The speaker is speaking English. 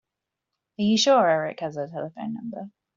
Are you sure Erik has our telephone number?